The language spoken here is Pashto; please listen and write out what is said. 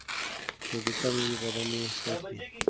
که اوبه کمې وي، بدن یې ساتي.